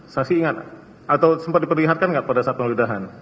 saksi ingat atau sempat diperlihatkan nggak pada saat penggeledahan